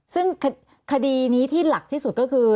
ซึ่งคดีนี้ที่หลักที่สุดก็คือ